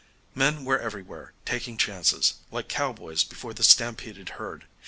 Men were everywhere, taking chances, like cowboys before the stampeded herd.